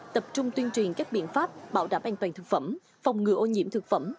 tập trung tuyên truyền các biện pháp bảo đảm an toàn thực phẩm phòng ngừa ô nhiễm thực phẩm